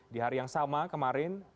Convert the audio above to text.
di hari yang sama kemarin